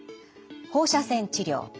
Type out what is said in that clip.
放射線治療。